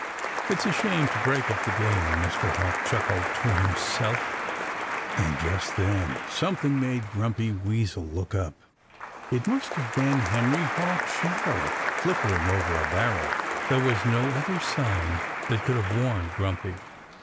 "It's a shame to break up the game," Mr. Hawk chuckled to himself. And just then something made Grumpy Weasel look up. It must have been Henry Hawk's shadow flickering over a barrel. There was no other sign that could have warned Grumpy.